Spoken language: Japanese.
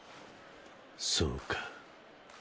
そうか。